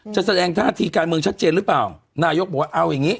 แสดงท่าทีการเมืองชัดเจนหรือเปล่านายกบอกว่าเอาอย่างงี้